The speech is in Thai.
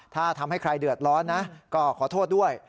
ถ้าทำให้ใครเดือดร้อนนะก็ขอโทษด้วย